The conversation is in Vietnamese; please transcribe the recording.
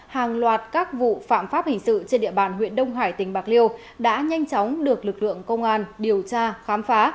hàng loạt các vụ phạm pháp hình sự trên địa bàn huyện đông hải tỉnh bạc liêu đã nhanh chóng được lực lượng công an điều tra khám phá